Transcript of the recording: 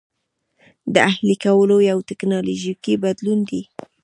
د اهلي کولو یو ټکنالوژیکي بدلون دی.